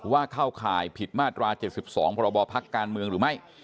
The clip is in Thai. ว่าเข้าข่ายผิดมาตรา๗๒ประบอบพรรคการเมืองหรือไม่